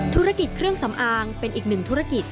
ธุรกิจเครื่องสำอางเป็นอีกหนึ่งธุรกิจ